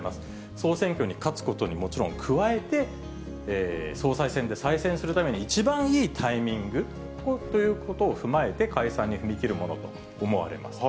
総選挙に勝つことにもちろん加えて、総裁選で再選するために一番いいタイミングということを踏まえて解散に踏み切るものと思われます。